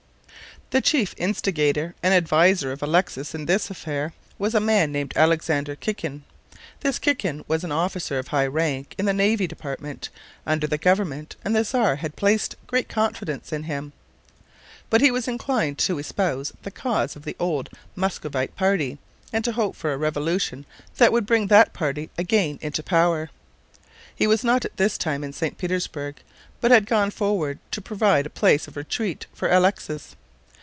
The chief instigator and adviser of Alexis in this affair was a man named Alexander Kikin. This Kikin was an officer of high rank in the navy department, under the government, and the Czar had placed great confidence in him. But he was inclined to espouse the cause of the old Muscovite party, and to hope for a revolution that would bring that party again into power. He was not at this time in St. Petersburg, but had gone forward to provide a place of retreat for Alexis.